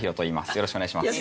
よろしくお願いします